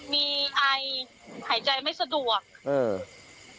มีอ่ายหายใจไม่สะดวก